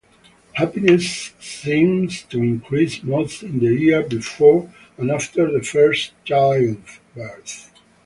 Happiness seems to increase most in the year before and after the first childbirth.